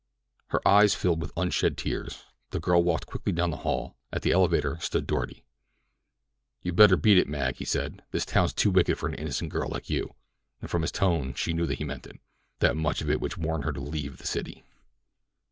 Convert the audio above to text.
Her eyes filled with unshed tears, the girl walked quickly down the hall. At the elevator stood Doarty. "You'd better beat it, Mag," he said. "This town's too wicked for an innocent girl like you," and from his tone she knew that he meant it—that much of it which warned her to leave the city.